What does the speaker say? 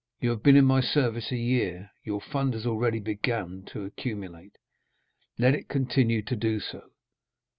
You have been in my service a year, your fund has already begun to accumulate—let it continue to do so."